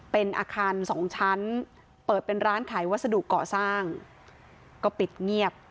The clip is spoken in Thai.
เป็นอาคารสองชั้นเปิดเป็นร้านขายวัสดุก่อสร้างก็ปิดเงียบ